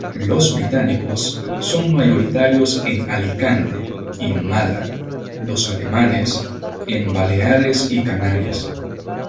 Los británicos son mayoritarios en Alicante y Málaga; los alemanes, en Baleares y Canarias.